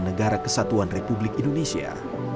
negara kesatuan republik indonesia